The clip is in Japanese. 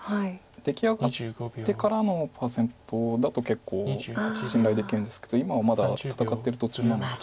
出来上がってからのパーセントだと結構信頼できるんですけど今はまだ戦ってる途中なので。